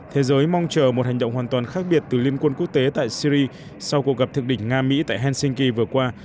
thế giới mong chờ một hành động hoàn toàn khác biệt từ liên quân quốc tế tại syri sau cuộc gặp thượng đỉnh nga mỹ tại helsinki vừa qua